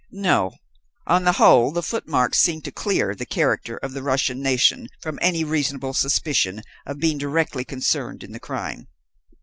No, on the whole the footmarks seemed to clear the character of the Russian nation from any reasonable suspicion of being directly concerned in the crime.